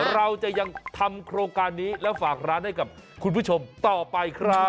เราจะยังทำโครงการนี้แล้วฝากร้านให้กับคุณผู้ชมต่อไปครับ